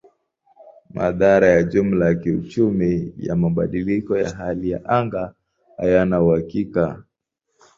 Madhara ya jumla ya kiuchumi ya mabadiliko ya hali ya anga hayana uhakika.